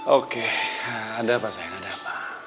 oke ada apa sayang ada apa